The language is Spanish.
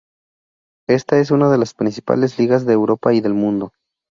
Esta es una de las principales ligas de Europa y del mundo.